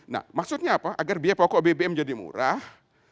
nah maksudnya apa agar biaya pokok bbm jadi murah